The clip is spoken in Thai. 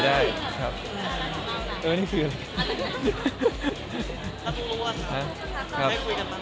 ถ้าคุณรู้ว่าคุยกันบ่อยไหมครับ